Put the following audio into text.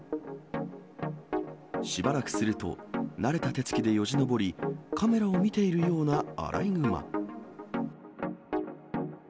しばらくすると、慣れた手つきでよじ登り、カメラを見ているようなアライグマ。